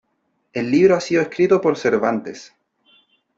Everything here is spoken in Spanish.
El libro ha sido escrito por Cervantes.